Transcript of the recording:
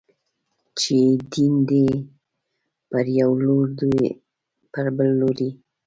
چې يې دين دی، پر يو لور دوی پر بل لوري